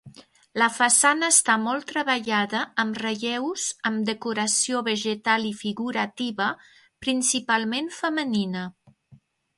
La façana està molt treballada amb relleus amb decoració vegetal i figurativa, principalment femenina.